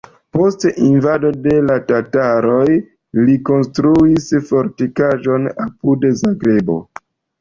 Depost invado de la tataroj li konstruis fortikaĵon apud Zagrebo.